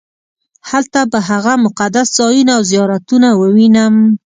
هلته به هغه مقدس ځایونه او زیارتونه ووینم.